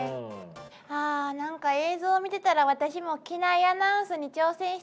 あなんか映像を見てたら私も機内アナウンスに挑戦してみたくなったわ。